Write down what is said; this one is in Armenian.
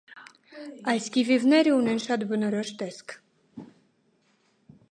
Այս կիվիվները ունեն շատ բնորոշ տեսք։